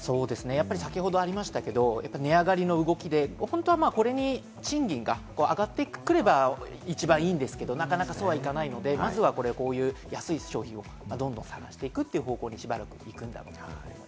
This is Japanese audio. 先ほどありましたが、値上がりの動きで本当はこれに賃金が上がってくれば一番いいんですけど、なかなかそうはいかないので、まずは安い商品をどんどん探していくって方向に、しばらく行くんだろうなと。